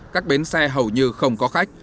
các bến xe hầu như không có khách